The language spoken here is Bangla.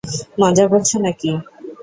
মজা করছো নাকি।